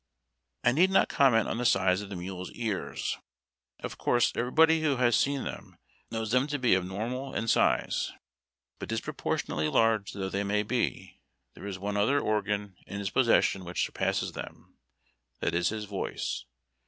I need not comment on the size of the mule's ears. Of course, everybody who has seen them knows them to be abnor 290 HARD TACK AND COFFEE. mal in size. But disproportionately large though they may be, there is one other organ in his possession which surpasses them ; that is his voice.